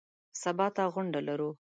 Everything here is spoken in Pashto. سبا ته غونډه لرو .